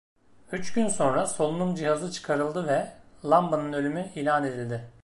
Üç gün sonra solunum cihazı çıkarıldı ve Lamba’nın ölümü ilan edildi.